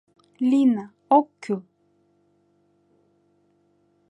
— Лина, ок кӱл!